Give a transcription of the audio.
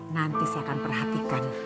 nanti saya akan perhatikan